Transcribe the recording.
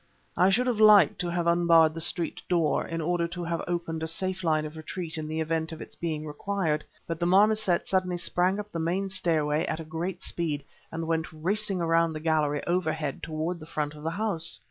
I should have liked to have unbarred the street door, in order to have opened a safe line of retreat in the event of its being required, but the marmoset suddenly sprang up the main stairway at a great speed, and went racing around the gallery overhead toward the front of the house.